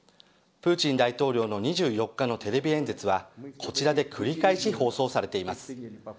プーチン大統領の２４日のテレビ演説はこちらで繰り返し放送されています。